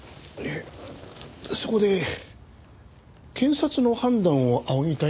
そこで検察の判断を仰ぎたいんですけど。